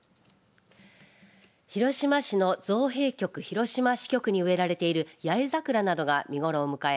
広島市の造幣局広島支局に植えられている八重桜などが見頃を迎え